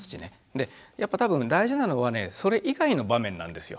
でやっぱ多分大事なのはねそれ以外の場面なんですよ。